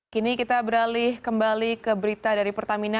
kini kita beralih kembali ke berita dari pertamina